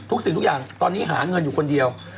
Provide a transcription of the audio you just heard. ทุกสิ่งวันนี้หาเงินอยู่คนเดียว